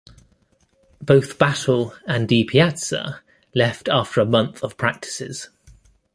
Both Battle and DiPiazza left after a month of practices.